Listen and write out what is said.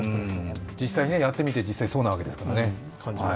実際やってみて、そうなわけですからね。